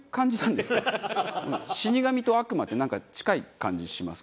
死神と悪魔ってなんか近い感じします。